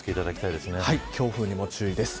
強風にも注意です。